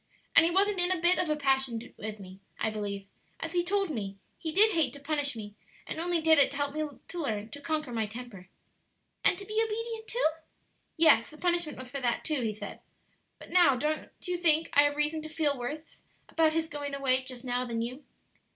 "And he wasn't in a bit of a passion with me. I believe, as he told me, he did hate to punish me, and only did it to help me to learn to conquer my temper." "And to be obedient, too?" "Yes; the punishment was for that too, he said. But now don't you think I have reason to feel worse about his going away just now than you?"